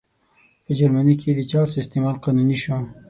په جرمني کې د چرسو استعمال قانوني شو.